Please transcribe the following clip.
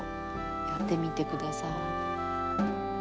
やってみてください。